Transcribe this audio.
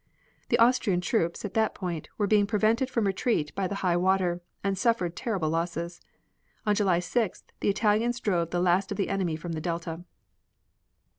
The Austrian troops, at that point, were being prevented from retreat by the high water, and suffered terrible losses. On July 6th the Italians drove the last of the enemy from the delta.